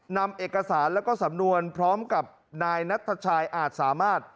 นำเอกสารแล้วก็สำนวนพร้อมกับนายนัทชายอาจสามารถ